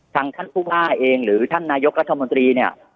ท่านผู้ว่าเองหรือท่านนายกรัฐมนตรีเนี่ย